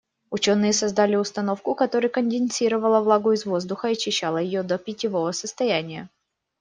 Учёные создали установку, которая конденсировала влагу из воздуха и очищала её до питьевого состояния.